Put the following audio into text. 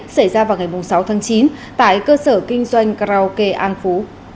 xảy ra vào ngày sáu tháng chín tại cơ sở kinh doanh karaoke an phú